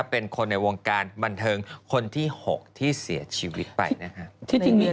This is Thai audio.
เป็นคนในวงการบันเทิงคนที่๖ที่เสียชีวิตไปนะครับ